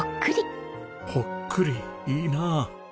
ほっくりいいなあ。